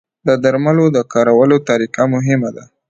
د درملو د کارولو طریقه مهمه ده.